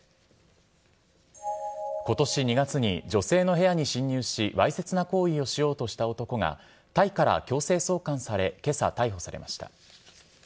ことし２月に女性の部屋に侵入し、わいせつな行為をしようとした男が、タイから強制送還され、けさ逮捕されました。